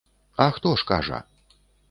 А хто ж кажа.